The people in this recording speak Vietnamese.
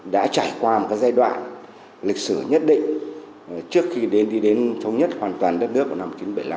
đã trải qua một giai đoạn lịch sử nhất định trước khi đi đến thống nhất hoàn toàn đất nước của năm một nghìn chín trăm bảy mươi năm